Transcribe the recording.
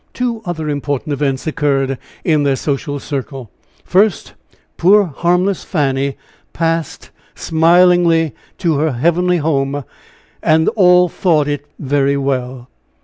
Two other important events occurred in their social circle first, poor harmless Fanny passed smilingly to her heavenly home, and all thought it very well.